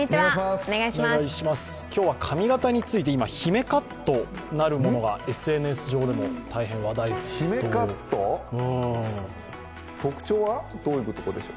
今日は髪形について、今、姫カットなるものがＳＮＳ上でも大変話題になっています